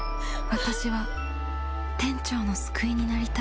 私は店長の救いになりたい。